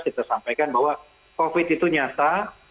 kita sampaikan bahwa covid itu nyata